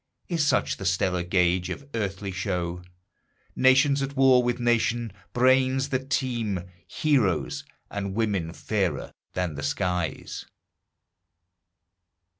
Is such the stellar gauge of earthly show, Nation at war with nation, brains that teem, Heroes, and women fairer than the skies?